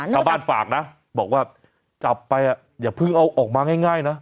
ฝากนะบอกว่าจับไปอย่าเพิ่งเอาออกมาง่ายนะ